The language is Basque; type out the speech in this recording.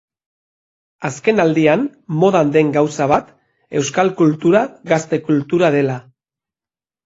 Azken aldian modan den gauza bat, euskal kultura gazte kultura dela.